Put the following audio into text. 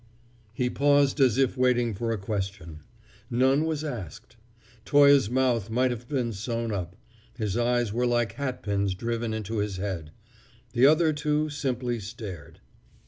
He paused as if waiting for a question. None was asked. Toye's mouth might have been sewn up, his eyes were like hatpins driven into his head. The other two simply stared.